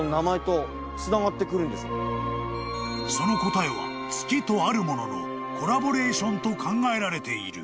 ［その答えは月とあるもののコラボレーションと考えられている］